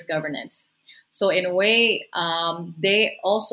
jadi dalam suatu cara